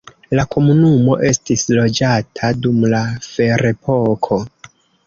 La komunumo estis loĝata dum la ferepoko.